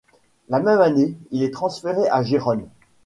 La même année, il est transféré à Gérone.